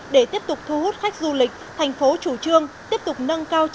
để tiếp tục thu hút khách du lịch thành phố chủ trương tiếp tục nâng cao chất